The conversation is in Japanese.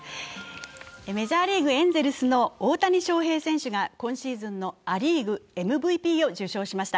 メジャーリーグ・エンゼルスの大谷翔平選手が今シーズンのア・リーグＭＶＰを受賞しました。